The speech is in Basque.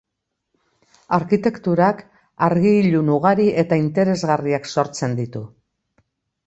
Arkitekturak argi-ilun ugari eta interesgarriak sortzen ditu.